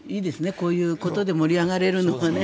こういうことで盛り上がれるのがね。